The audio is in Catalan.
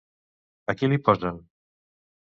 A qui li posen?